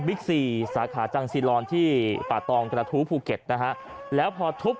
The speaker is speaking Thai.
ซีสาขาจังซีลอนที่ป่าตองกระทู้ภูเก็ตนะฮะแล้วพอทุบ